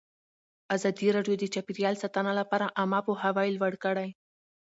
ازادي راډیو د چاپیریال ساتنه لپاره عامه پوهاوي لوړ کړی.